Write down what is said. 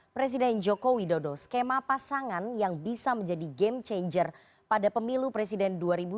presiden joko widodo skema pasangan yang bisa menjadi game changer pada pemilu presiden dua ribu dua puluh